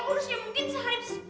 urusnya mungkin seharian sepuluh kilo